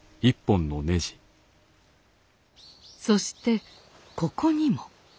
そしてここにも。